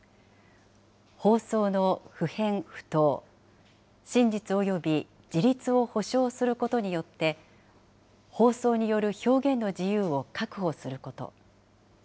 放送の不偏不党、真実および自律を保障することによって、放送による表現の自由を確保すること。